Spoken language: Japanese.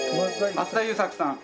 松田優作さん。